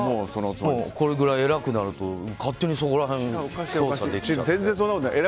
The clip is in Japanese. これぐらい偉くなると勝手にそこら辺できるから。